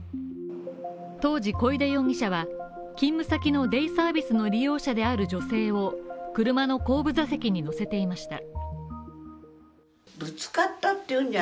当時、小出容疑者は勤務先のデイサービスの利用者である女性を車の後部座席に乗せていました。